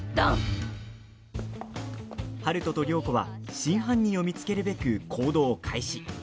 春風と涼子は真犯人を見つけるべく行動を開始。